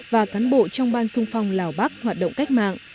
và cán bộ trong ban sung phong lào bắc hoạt động cách mạng